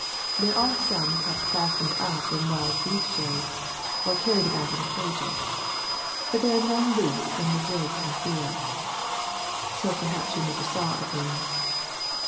There are some kept fas tened up in wild beast shows, or carried about in cages. But there are none loose in the woods and fields. So perhaps you never saw a bear.